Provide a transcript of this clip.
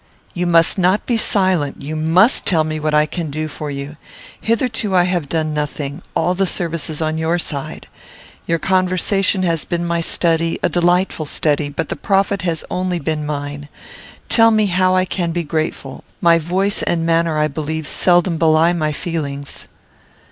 "You must not be silent; you must tell me what I can do for you. Hitherto I have done nothing. All the service is on your side. Your conversation has been my study, a delightful study, but the profit has only been mine. Tell me how I can be grateful: my voice and manner, I believe, seldom belie my feelings."